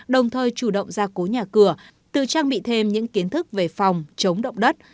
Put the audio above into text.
đồng thời chủ động ra cố nhà cửa tự trang bị thêm những kiến thức về phòng chống động đất